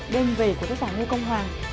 đêm về của tác giả ngo công hoàng